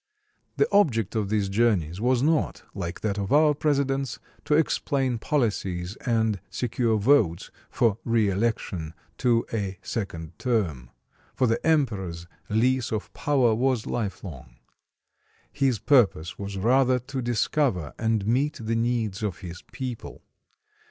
The object of these journeys was not, like that of our presidents, to explain policies and secure votes for reëlection to a second term; for the emperor's lease of power was lifelong. His purpose was rather to discover and meet the needs of his people.